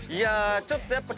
ちょっとやっぱ。